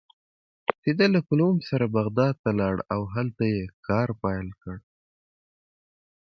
سید له کلوم سره بغداد ته لاړ او هلته یې کار کاوه.